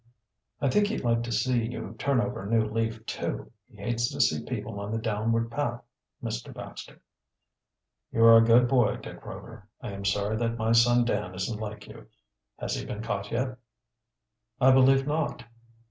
"I think he'd like to see you turn over a new leaf, too. He hates to see people on the downward path, Mr. Baxter." "You are a good boy, Dick Rover. I am sorry that my son Dan isn't like you. Has he been caught yet?" "I believe not."